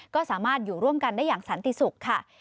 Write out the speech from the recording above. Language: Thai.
ก็สามารถอยู่ร่วมกันได้อย่างสันติสุขค่ะ